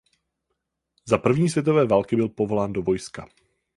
Za první světové války byl povolán do vojska.